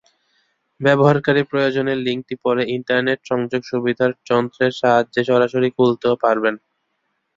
ব্যবহারকারী প্রয়োজনে লিংকটি পরে ইন্টারনেট সংযোগ সুবিধার যন্ত্রের সাহায্যে সরাসরি খুলতেও পারবেন।